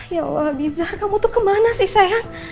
ya allah abizar kamu tuh kemana sih sayang